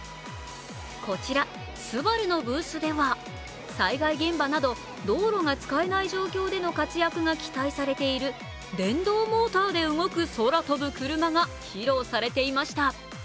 こちら、ＳＵＢＡＲＵのブースでは災害現場など道路が使えない状況での活躍が期待されている電動モーターで動く空飛ぶクルマが披露されていました。